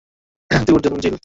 তুই ওঠ জিল।